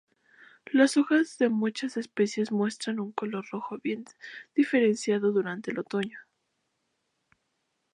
Las hojas de muchas especies muestran un color rojo bien diferenciado durante el otoño.